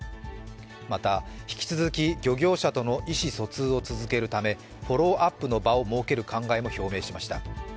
また、引き続き漁業者との意思疎通を続けるためフォローアップの場を設ける考えも表明しました。